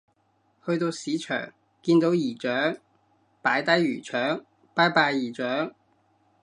去到市場見到姨丈擺低魚腸拜拜姨丈